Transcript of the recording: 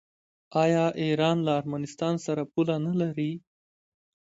آیا ایران له ارمنستان سره پوله نلري؟